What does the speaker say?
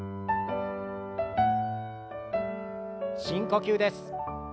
深呼吸です。